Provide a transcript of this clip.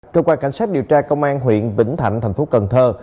cơ quan cảnh sát điều tra công an huyện vĩnh thạnh thành phố cần thơ